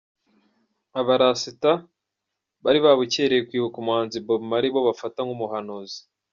Abarasata bari babukereye kwibuka umuhanzi Bob Marley bo bafata nk'umuhanuzi.